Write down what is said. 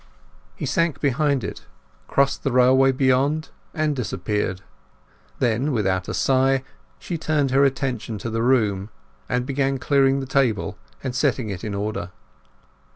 He sank behind it, crossed the railway beyond, and disappeared. Then, without a sigh, she turned her attention to the room, and began clearing the table and setting it in order.